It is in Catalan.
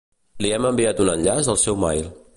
Li hem enviat un enllaç al seu mail.